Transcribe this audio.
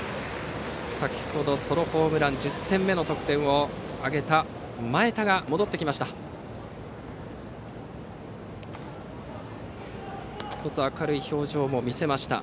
先ほどソロホームラン１０点目の得点を挙げた前田が戻ってきました。